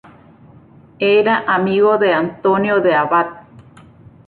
Era amigo de Antonio de Abad